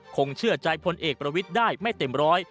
คงเชื่อใจพลเอกประวิทย์ได้ไม่เต็มร้อย